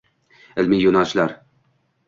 Ilmiy yo‘nalishlar